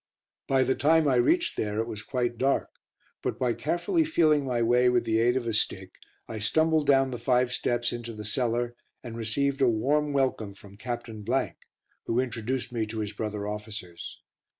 By the time I reached there it was quite dark, but by carefully feeling my way with the aid of a stick I stumbled down the five steps into the cellar, and received a warm welcome from Captain , who introduced me to his brother officers.